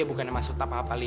ya bukannya emas ruta apa apa li